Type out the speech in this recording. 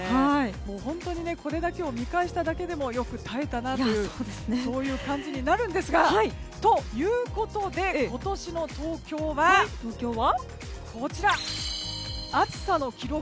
本当にこれだけを見返しただけでもよく耐えたなという感じになりますよね。ということで、今年も東京は暑さの記録